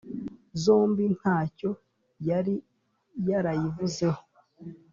zombi ntacyo yari yarayivuzeho